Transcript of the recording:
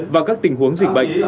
và các tình huống dịch bệnh